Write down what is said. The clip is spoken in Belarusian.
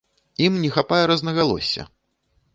Ім не хапае рознагалосся!